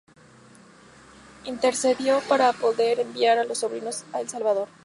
Intercedió para poder enviar a los sobrinos a El Salvador.